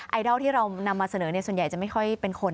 ไอดอลที่เรานำมาเสนอส่วนใหญ่จะไม่ค่อยเป็นคน